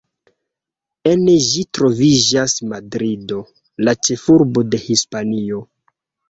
En ĝi troviĝas Madrido, la ĉefurbo de Hispanio.